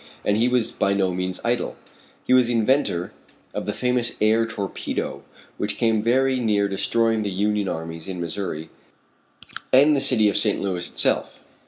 And he was by no means idle. He was the inventor of the famous air torpedo, which came very near destroying the Union armies in Missouri, and the city of St. Louis itself.